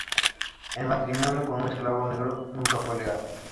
El matrimonio con un esclavo negro nunca fue legal.